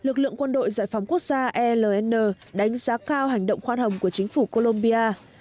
lực lượng quân đội giải phóng quốc gia eln đánh giá cao với các khu định cư ở đông giê ru sa lem và ngăn chặn các khu định cư ở đông giê ru sa lem